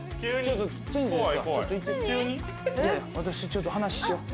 私とちょっと話しよう。